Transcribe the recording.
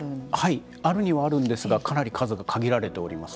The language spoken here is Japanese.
はいあるにはあるんですがかなり数が限られております。